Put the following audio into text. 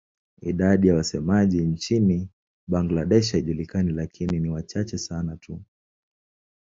Idadi ya wasemaji nchini Bangladesh haijulikani lakini ni wachache sana tu.